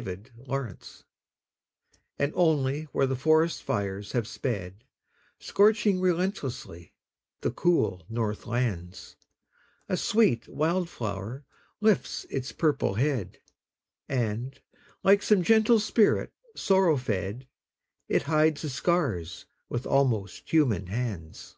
FIRE FLOWERS And only where the forest fires have sped, Scorching relentlessly the cool north lands, A sweet wild flower lifts its purple head, And, like some gentle spirit sorrow fed, It hides the scars with almost human hands.